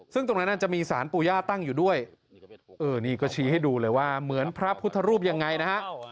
ซึ่งตรงนั้นจะมีสารปู่ย่าตั้งอยู่ด้วยเออนี่ก็ชี้ให้ดูเลยว่าเหมือนพระพุทธรูปยังไงนะฮะ